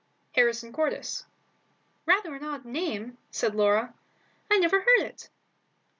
"Harrison Cordis." "Rather an odd name," said Laura. "I never heard it."